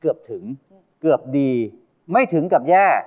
เกือบถึงก็ตากลัว